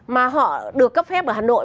mà họ được cấp phép ở hà nội